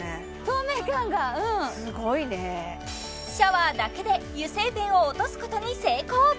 透明感がうんすごいねシャワーだけで油性ペンを落とすことに成功